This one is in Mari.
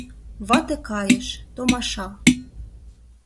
Вате кайыш — томаша